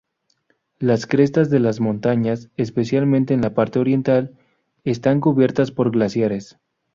Las crestas de las montañas, especialmente en la parte oriental, están cubierta por glaciares.